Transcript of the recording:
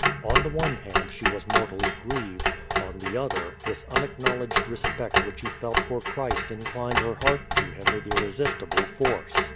On the one hand she was mortally grieved, on the other this unacknowledged respect which he felt for Christ inclined her heart to him with irresistible force.